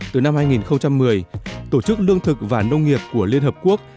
từ năm hai nghìn một mươi tổ chức lương thực và nông nghiệp của liên hợp quốc